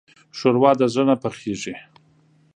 ښوروا د زړه نه پخېږي.